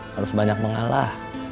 harus banyak mengalah